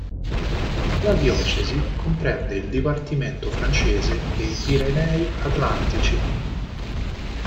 La diocesi comprende il dipartimento francese dei Pirenei Atlantici.